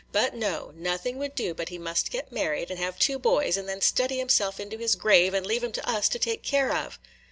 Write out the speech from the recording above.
But no, nothing would do but he must get married, and have two boys, and then study himself into his grave, and leave 'em to us to take care of."